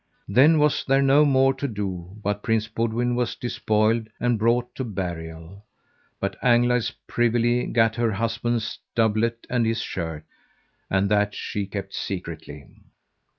Then was there no more to do but Prince Boudwin was despoiled and brought to burial. But Anglides privily gat her husband's doublet and his shirt, and that she kept secretly.